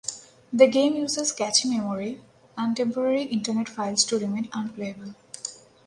The game uses cache memory and temporary internet files to remain unplayable.